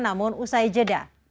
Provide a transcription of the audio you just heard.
namun usai jeda